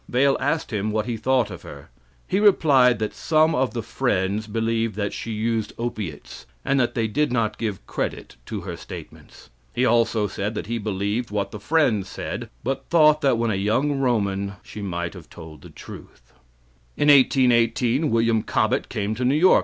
Vale asked him what he thought of her. He replied that some of the Friends believed that she used opiates, and that they did not give credit to her statements. He also said that he believed what the Friends said, but thought that when a young Roman she might have told the truth. In 1818 William Cobbett came to New York.